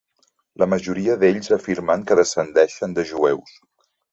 La majoria d'ells afirmen que descendeixen de jueus.